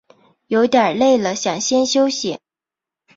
有点累了想先休息